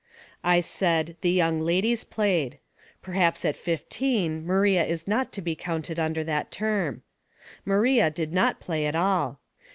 I said the young ladies played. Perhaps at fifteen Maria is not to be counted under that term. Maria did not play at all.